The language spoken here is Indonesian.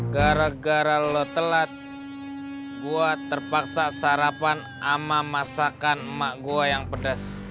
gara gara lo telat gue terpaksa sarapan sama masakan emak gue yang pedas